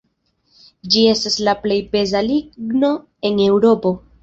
Ĝi estas la plej peza ligno en Eŭropo.